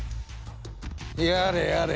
やれやれ。